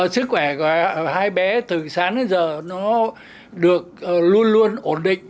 sức khỏe của hai bé từ sáng đến giờ nó được luôn luôn ổn định